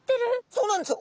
そうなんですよ。